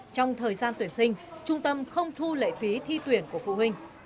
trong thời gian tuyển sinh trung tâm không thu lệ phí thi tuyển của phụ huynh